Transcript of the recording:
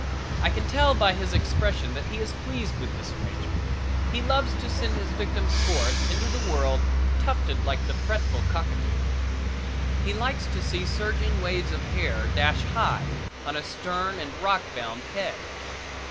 I can tell by his expression that he is pleased with this arrangement. He loves to send his victims forth into the world tufted like the fretful cockatoo. He likes to see surging waves of hair dash high on a stern and rockbound head.